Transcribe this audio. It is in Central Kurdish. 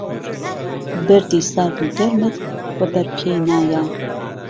بهردی سارد و گهرمت وەبەرپێی نایە